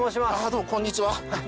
どうもこんにちは。